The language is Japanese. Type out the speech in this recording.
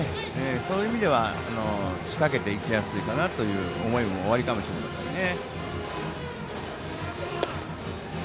そういう意味ではしかけていきやすいかなという思いもおありかもしれませんね。